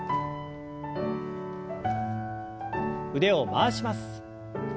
腕を回します。